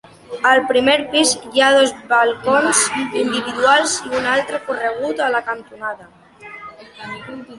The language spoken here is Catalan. Al primer pis hi ha dos balcons individuals i un altre corregut a la cantonada.